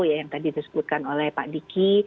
ya yang tadi disebutkan oleh pak diki